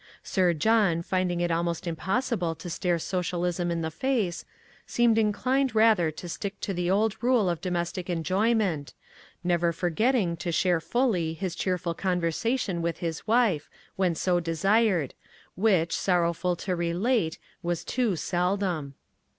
Sir John, finding it almost impossible to stare socialism in the face, seemed inclined rather to stick to the old rule of domestic enjoyment, never forgetting to share fully his cheerful conversation with his wife, when so desired, which, sorrowful to relate, was too seldom.